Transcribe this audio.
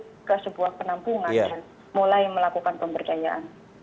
dari situlah saya lari ke sebuah penampungan dan mulai melakukan pemberdayaan